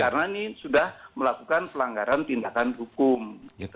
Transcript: karena ini sudah melakukan pelanggaran tindakan hukum